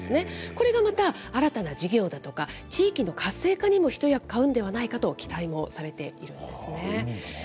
これがまた新たな事業だとか、地域の活性化にも一役買うんではないかと期待をされているんですね。